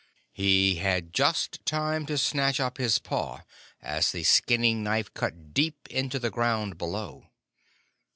He had just time to snatch up his paw as the skinning knife cut deep into the ground below.